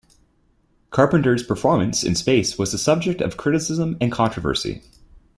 Carpenter's performance in space was the subject of criticism and controversy.